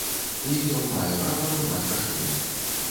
І ён мае права прымаць рашэнні.